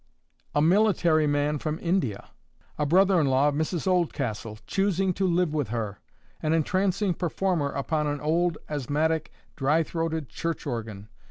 A military man from India! a brother in law of Mrs Oldcastle, choosing to live with her! an entrancing performer upon an old, asthmatic, dry throated church organ!